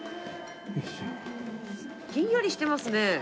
ひんやりしてますね。